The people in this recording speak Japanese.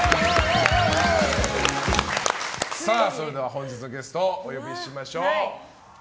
本日のゲストお呼びしましょう。